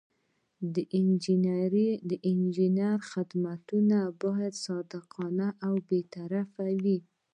د انجینر خدمتونه باید صادقانه او بې طرفه وي.